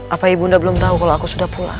apa ibu nda belum tahu kalau aku sudah pulang